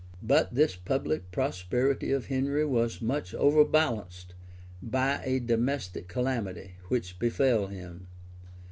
} But this public prosperity of Henry was much overbalanced by a domestic calamity, which befell him.